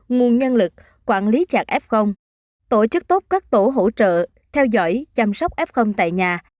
nguồn nhân lực quản lý chặt f tổ chức tốt các tổ hỗ trợ theo dõi chăm sóc f tại nhà